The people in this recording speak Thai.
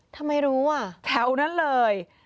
ทำไมรู้อ่ะแถวนั้นเลย